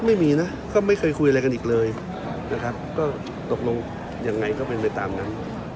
ไม่มีนะก็ไม่เคยคุยอะไรกันอีกเลยนะครับก็ตกลงยังไงก็เป็นไปตามนั้น